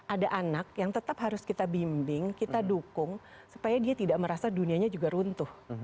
ada anak yang tetap harus kita bimbing kita dukung supaya dia tidak merasa dunianya juga runtuh